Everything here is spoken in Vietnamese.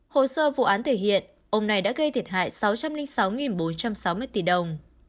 hồ sơ vụ án thể hiện ông này đã gây thiệt hại sáu trăm linh sáu bốn trăm sáu mươi tỷ đồng